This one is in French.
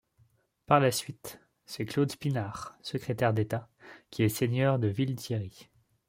Par la suite, c'est Claude Pinart, secrétaire d'État, qui est seigneur de Villethierry.